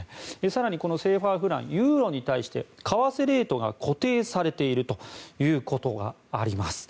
更に、このＣＦＡフランユーロに対して為替レートが固定されているということがあります。